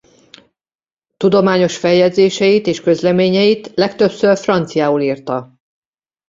Tudományos feljegyzéseit és közleményeit legtöbbször franciául írta.